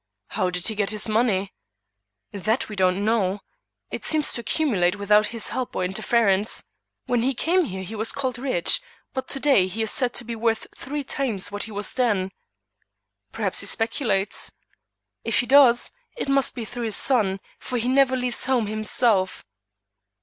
"How did he get his money?" "That we don't know. It seems to accumulate without his help or interference. When he came here he was called rich, but to day he is said to be worth three times what he was then." "Perhaps he speculates?" "If he does, it must be through his son, for he never leaves home himself."